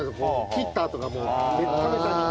切ったあとがもうベッタベタに。